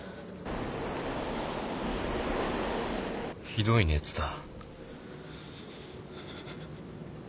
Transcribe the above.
ひどい熱だ。